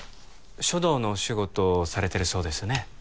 書道のお仕事されてるそうですね